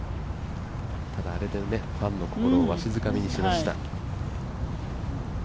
あれでファンの心をわしづかみにしました。